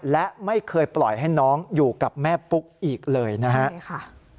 และไม่เคยปล่อยให้น้องอยู่กับแม่ปุ๊กอีกเลยนะฮะใช่ค่ะ